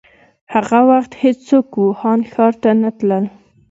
هغه وخت هيڅوک ووهان ښار ته نه تلل.